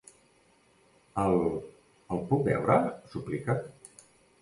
El, el puc veure? —suplica—.